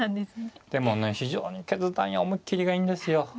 でもね非常に決断や思い切りがいいんですよ。